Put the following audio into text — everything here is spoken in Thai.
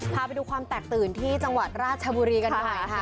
พาไปดูความแตกตื่นที่จังหวัดราชบุรีกันหน่อยค่ะ